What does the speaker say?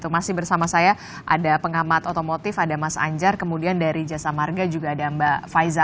masih bersama saya ada pengamat otomotif ada mas anjar kemudian dari jasa marga juga ada mbak faiza